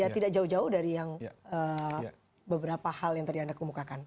tidak jauh jauh dari yang beberapa hal yang tadi anda kemukakan